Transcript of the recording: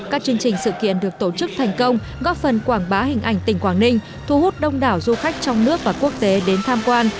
các chương trình sự kiện được tổ chức thành công góp phần quảng bá hình ảnh tỉnh quảng ninh thu hút đông đảo du khách trong nước và quốc tế đến tham quan